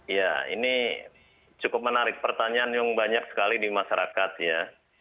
ya ini cukup menarik pertanyaan yang banyak sekali di masyarakat ya